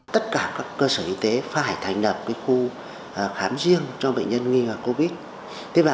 tất cả các cơ sở y tế phải thành lập khu khám riêng cho bệnh nhân nghi ngạc covid